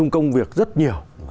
công việc rất nhiều